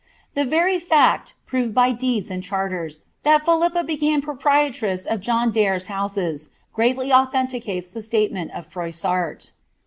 The very fact, proved by deeds and charters, that Philippa became proprietress of John Daire's iKmses, greatly authenticates the statement of Froissart.